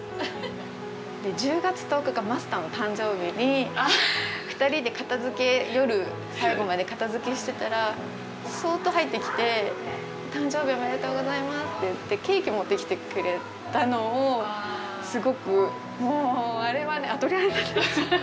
１０月１０日がマスターの誕生日に２人で片づけ夜最後まで片づけしてたらそっと入ってきて誕生日おめでとうございますって言ってケーキ持ってきてくれたのをすごくもうあれはねあっ鳥肌立ってきちゃった。